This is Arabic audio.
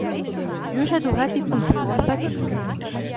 يوجد هاتف في غرفتي.